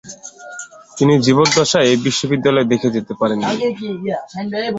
তিনি জীবদ্দশায় এই বিশ্ববিদ্যালয় দেখে যেতে পারেননি।